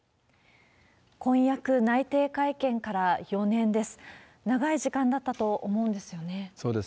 婚約内定会見から４年です。